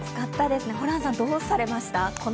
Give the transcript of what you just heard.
ホランさん、どうされました？